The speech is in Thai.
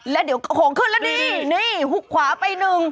แล้วเดี๋ยวก็ของขึ้นแล้วนี่นี่หุกขวาไปหนึ่ง